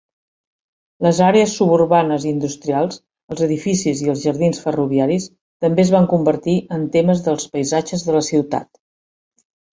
Les àrees suburbanes i industrials, els edificis i els jardins ferroviaris també es van convertir en temes dels paisatges de la ciutat.